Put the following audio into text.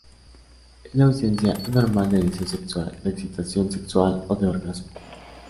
Es la ausencia anormal de deseo sexual, de excitación sexual o de orgasmo.